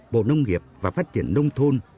bộ nông nghiệp và phát triển nông thôn